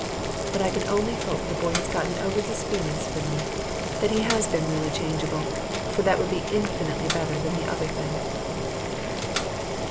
But I can only hope the boy has gotten over his feeling for me, that he has been really changeable, for that would be infinitely better than the other thing.